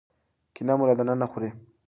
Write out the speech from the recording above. کینه مو له دننه خوري.